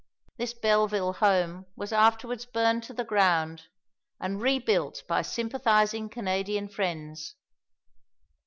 This Belleville Home was afterwards burned to the ground, and rebuilt by sympathising Canadian friends.